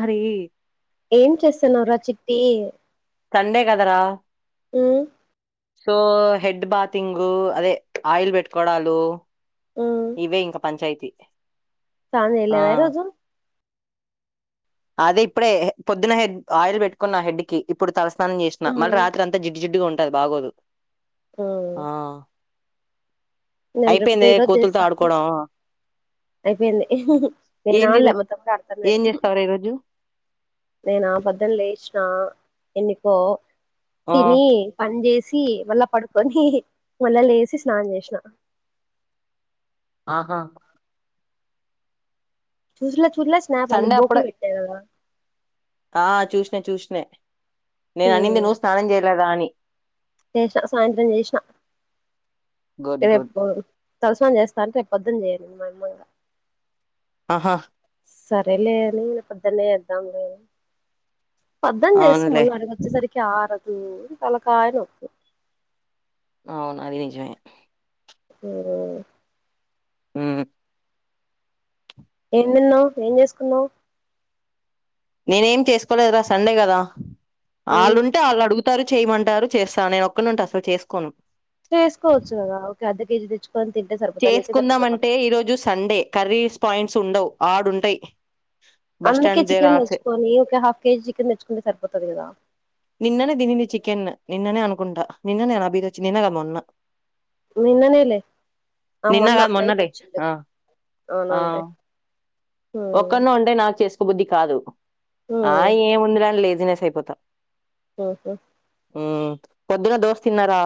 మరి ఏం చేసాను రా చిట్టి సండే కదరా అ సో హెడ్ బాతింగ్ అదే ఆయిల్ పెట్టుకోడాలు ఇవే ఇంకా పంచాయితీ చలేదాయి ర అజు అదే ఇప్పుడే పొద్దున హెడ్ ఆయిల్ పెట్టుకున్న హెడ్ క ఇప్పుడు తలస్తు స్నానం చేసిన మళీ ఉమ్ రాత్రి అ జిడ్డి జిడ్డిగా ఉంటది బాగోదు ఆ నంట అయిపోయింది పయిద కోతులతో ఆడుకోవడం అయిపోయింది నేను ఏంది అవనలే ఈరోజు మొత్తం ఆడతా నేను ఏం చేస్తావురా ఈరోజు నేనుబద్ద్ లే ఇష్ట ఎన్నికో ఆ తినీ పని చేేసి వ మళ్ళా పడుకొని మళ్ళ లేసి స్నానం చేసిన ఆహా చూసలా చూజలా నా ప సండే బోక్లు అప్పుడే పెట్టా బదా ఆ చూసినా చూసిన నేను అనింది నువ్వు స్నానం చేయలేదా అని చేేష సాయంత్రం జేష గుడ్ ఇది గుడ్ ఎప్పు తలసని చేస్తా అంటే పొద్దుని చేయాల మమ్మల్గా ఆహా సరేలేదని పొద్దునే వద్దాం లేదు పద్ం చేస్తా అవునులే మళ్ళ అడిగ వచ్చేసరికి ఆరదు తలకాయ నొప్పు అవును అది ని చెవే అ ఆ ఏం నిన్నావు ఏం చేసుకున్నావు నేనేం చేసుకోలేదురా సండే కదా వాళ్ళుంటే వాళ్ళు అడుగు రు చేయమంటారు చేస్తా నేను ఒక్కళ ఉంటే అసలు చేసుకోను చేసుకోవచ్చు కదా ఒక అర్ధ కేజీ తెచ్చుకో చేసుకుందామంటే ఈరోజు సండే కర్రీర్స్ పాయింట్స్ ఉండవు ఆడుంటాయి అందుకే చికెన్ తెచ్చుకొని ఒక హాఫ్ కేజీ చికెన్ తెచ్చుకుంటే సరిపోతుంది కదా నిన్ననే తింది చికెన్ నిన్ననే అనుకుంటా నిన్న నేను అభిత వచ్చి నిన్నగా మొన్న నిన్ననేలే ఆ నిన్న మొన్న కాదు నైట్ మొన్నలే. వచ్చి ఆ! అవునంటే ఒక్కన ఉంటే నాకు చేసుకో బుద్ధి కాదు ఆ ఏమి ఉందిడాని లేదు బిజినెస్ అయిపోతా ఓహో ఉ పొద్దున్న దోస్తు తిన్నారా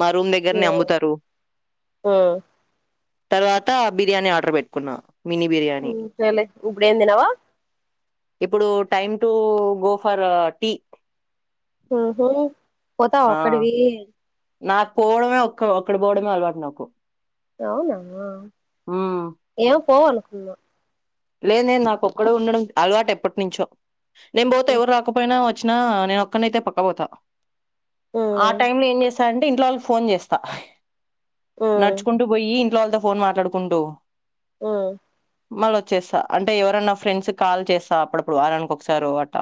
మా రూమ్ దగ్గరని అమ్ముతారు తర్వాత బిర్యానీ ఆర్డర్ పెట్టుకున్నా మినీ బిర్యానీ ఉగుడు ఏన్ దినవా ఇప్పుడు time to go for tea పోత ఆ! ఒకక్కడవి నాకు పోవడమే ఒ ఒక్కడు పోవడమే అలవాటు నాకు అవునామా హ్మ్ ఏ పోవాలకున్నా లేదే నాకు ఒక్కడే ఉండడం అలవాటు ఎప్పటినుంచో నేను పోతే ఎవరు రాకపోయినా నేను ఒక్కడైన్ అయిన పక్కా పోత పోవనుకున్నా అంటే ఇంట్లో వాళ్ళ ఫోన్ చేస్తా నడుచుకుంటూ పోయి వాళ్ళతో ఫోన్ మాట్లాడుకుంటూ ఆ మళ్ళ వచ్చేస్తా అంటే ఎవరన్నా ఫ్రెండ్స్ కాల్ చేస్తా అప్పుడప్పుడు వారానికి ఒకసారి అట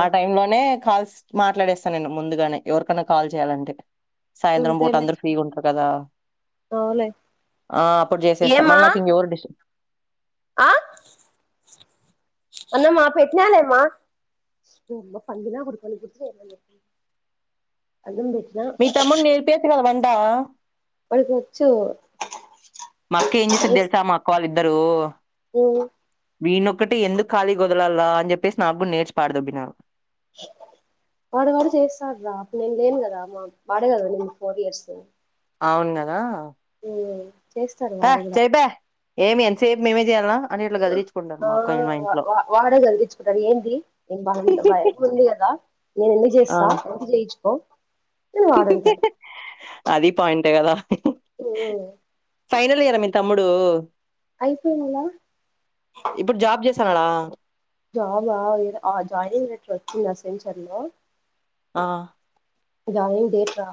ఆ టైం లోనే కాల్స్ మాట్లాడేస్తాను నేను ముందుగానే ఎవరికన్నా కాల్ చేయాలంటే సాయంత్రం బోట అంతేలే అందరు ఫ్రీగా ఉంటారు కదా అవులే ఆ అప్పుడు చేసేస్తాం ఏమా మళ్ళీ నాకు ఇంకెవరి డిష ఆ అన్నమ్మా పెట్నాలేమ్మా బ ఫంగలా కొడుకుం కుతు మీ తమ్ముడు నేర్పేచ కదా వంట వాడికి వచ్చు మా అక్క ఏం చేసది తెలుసా మా అక్క వాళ్ళిద్దరు ఉ వీనొక్కటి ఎకు ఖాళీ గదలాలా అని చెప్పేసి నాకు కూడా నేర్చి పడదుభిన వాడు వాడు చేస్తాడు రా అప్పుడు నేను లేను కదా మా వాడే కదండి ఫోర్ ఇయర్స్ అవును కదా చేస్తారు పా వాళలా చెయ్యిపా ఏమి ఎంతసేపు మేమే చేయాలా అని ఇట్లా గదిలిచుకుంటారు ఆ మా కొ వాడే కలిగించుకుంటారు ఏంది నేను వాళ బయ ఉంది కదా నేను ఎందుకు ఆ చేస్తా చెయిన్‌చుకూ నేను వాడంటారు అది పాయింట్ కదా ఓ ఫైనల్ ఇయరా మీ తమ్ముడు అయిపోయినలా చాల జాబా జానింగ్ లేఖ వచ్చింది యాక్సెంచర్ లూ ఆ న దేట రా